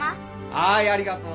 はいありがとう。